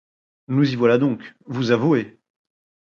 Nous y voilà donc, vous avouez!